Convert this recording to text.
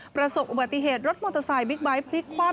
ประสบอุบัติเหตุรถมอเตอร์ไซค์บิ๊กไบท์พลิกคว่ำ